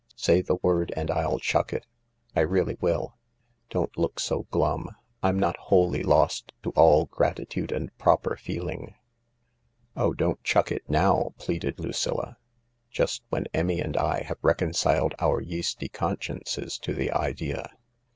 Say the word and I'll chuck it. I really will. Don't look so glum. , I'm not wholly lost to all gratitude and proper feeling." " 0h * don,t chuck it now !" pleaded Lucilla, " just when Emmy and I have reconciled our yeasty consciences to the idea."